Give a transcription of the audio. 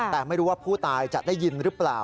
แต่ไม่รู้ว่าผู้ตายจะได้ยินหรือเปล่า